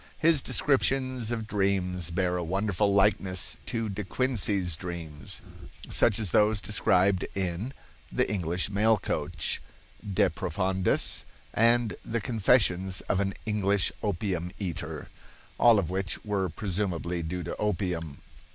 His descriptions of dreams bear a wonderful likeness to De Quincey's dreams, such as those described in "The English Mail Coach," "De Profundis," and "The Confessions of an English Opium Eater," all of which were presumably due to opium.